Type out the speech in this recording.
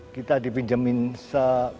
kita dipinjamin se